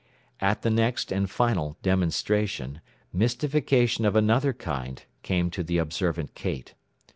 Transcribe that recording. At the next, and final, "demonstration" mystification of another kind came to the observant Kate.